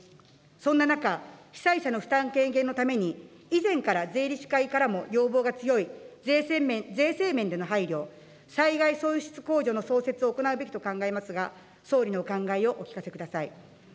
そんな中、被災者の負担軽減のために、以前から税理士会からも要望が強い税制面での配慮、災害損失控除の創設を行うべきと考えますが、総理のお考えをお聞かせください。